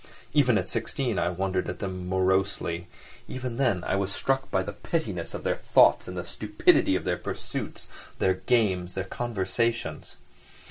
Even at sixteen I wondered at them morosely; even then I was struck by the pettiness of their thoughts, the stupidity of their pursuits, their games, their conversations.